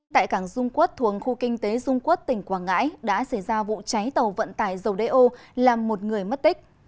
tại cảng dung quốc thuồng khu kinh tế dung quốc tỉnh quảng ngãi đã xảy ra vụ cháy tàu vận tải dầu đeo làm một người mất tích